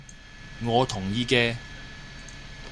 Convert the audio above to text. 我同意嘅